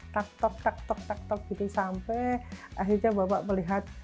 tak tak tak tak tak tak gitu sampai akhirnya bapak melihat